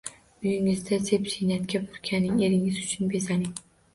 Uyingizda zeb-ziynatga burkaning, eringiz uchun bezaning.